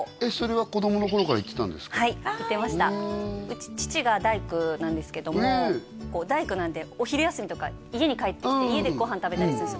はい行ってましたうち父が大工なんですけどもこう大工なんでお昼休みとか家に帰ってきて家でご飯食べたりするんですよ